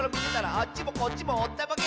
「あっちもこっちもおったまげ！」